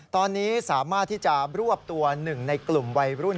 ตอนนี้สามารถที่จะรวบตัวหนึ่งในกลุ่มวัยรุ่น